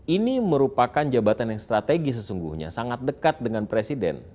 ini merupakan jabatan yang strategis sesungguhnya sangat dekat dengan presiden